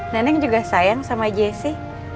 nenek juga sayang sama jessy